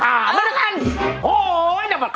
โหไอลูกกานอนคาด